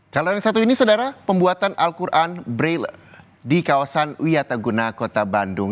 kalau yang satu ini saudara pembuatan al quran braille di kawasan wiyataguna kota bandung